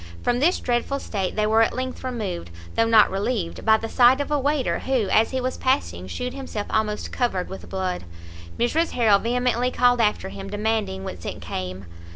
From this dreadful state they were at length removed, though not relieved, by the sight of a waiter, who, as he was passing shewed himself almost covered with blood! Mrs Harrel vehemently called after him, demanding whence it came?